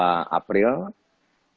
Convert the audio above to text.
kesempatan yang sangat yang membuat